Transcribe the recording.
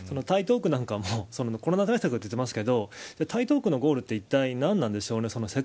台東区なんかもコロナ対策って言ってますけど台東区のゴールっていったい、なんなんでしょうか。